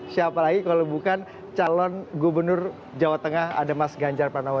siapa lagi kalau bukan calon gubernur jawa tengah ada mas ganjar pranowo